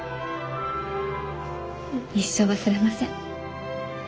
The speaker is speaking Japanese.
一生忘れません。